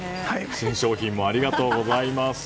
新商品もありがとうございます。